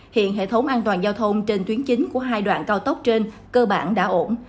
hiện hệ thống an toàn giao thông trên tuyến chính của hai đoạn cao tốc trên cơ bản đã ổn